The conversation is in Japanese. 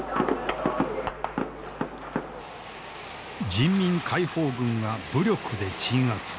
人民解放軍が武力で鎮圧。